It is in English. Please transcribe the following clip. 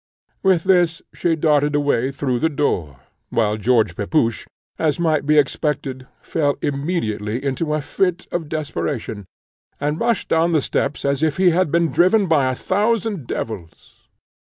With this she darted away through the door, while George Pepusch, as might be expected, fell immediately into a fit of desperation, and rushed down the steps as if he had been driven by a thousand devils.